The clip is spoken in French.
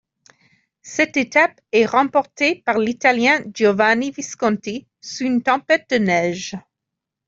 Cette étape est remportée par l'Italien Giovanni Visconti sous une tempête de neige.